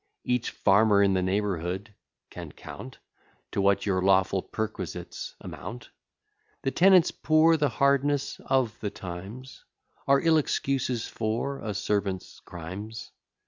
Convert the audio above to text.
Each farmer in the neighbourhood can count To what your lawful perquisites amount. The tenants poor, the hardness of the times, Are ill excuses for a servant's crimes.